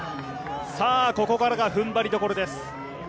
ここからがふんばりどころです。